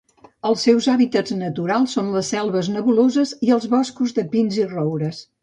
Els seus hàbitats naturals són les selves nebuloses i els boscos de pins i roures.